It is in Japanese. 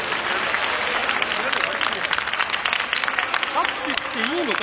拍手していいのか？